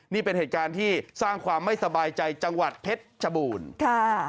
นี่เป็นเหตุการณ์ที่สร้างความไม่สบายใจจังหวัดเพชรชบูรณ์ค่ะ